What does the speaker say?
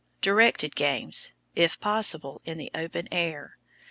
Directed games, if possible, in the open air.